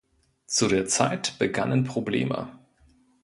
Zu der Zeit begannen Probleme.